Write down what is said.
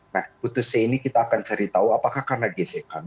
nah putus c ini kita akan cari tahu apakah karena gesekan